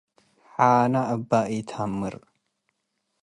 ሓነ እበ ኢትሀምር